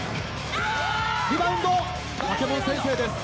リバウンドバケモン先生です。